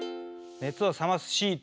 熱を冷ますシート